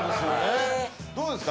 どうですか？